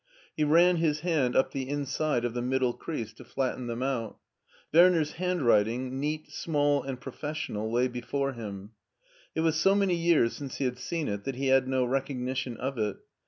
He ran his hand up the inside of the middle crease to flatten them out. Werner's hand writing, neat, small, and professional, lay before him. It was so many years since he had seen it that he had no recognition of it.